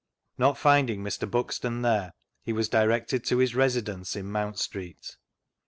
Not finding Mr. Buxton there, he was directed to his residence in Mount Street.